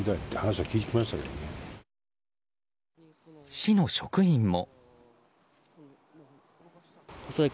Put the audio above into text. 市の職員も。